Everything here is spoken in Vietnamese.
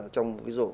trong cái rổ